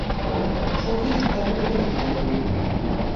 ښوونځی د کتابونو مینه پیدا کوي.